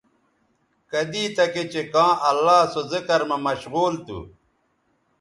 کدی تکےچہء کاں اللہ سو ذکر مہ مشغول تھو